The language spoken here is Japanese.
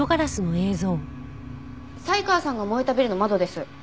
才川さんが燃えたビルの窓です。